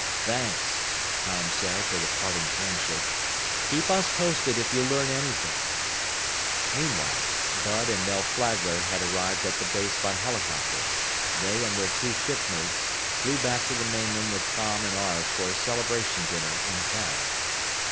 "Thanks," Tom said with a parting handshake. "Keep us posted if you learn anything." Meanwhile, Bud and Mel Flagler had arrived at the base by helicopter. They and their two shipmates flew back to the mainland with Tom and Arv for a celebration dinner in town.